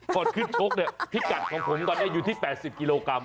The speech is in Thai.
ก่อนขึ้นชกเนี่ยพิกัดของผมตอนนี้อยู่ที่๘๐กิโลกรัม